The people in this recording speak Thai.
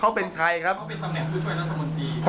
เขาเป็นตำแหน่งผู้ช่วยรัฐบนตรี